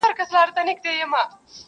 پېښه د ټولو په حافظه کي ژوره نښه پرېږدي,